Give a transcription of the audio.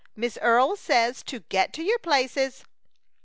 Miss Earle says to get to your places."